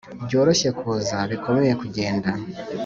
byoroshye kuza, bikomeye kugenda